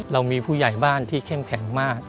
เรามีผู้ใหญ่บ้านที่เข้มแข็งมาก